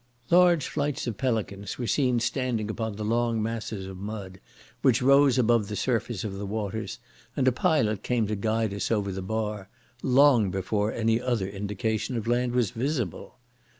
Large flights of pelicans were seen standing upon the long masses of mud which rose above the surface of the waters, and a pilot came to guide us over the bar, long before any other indication of land was visible.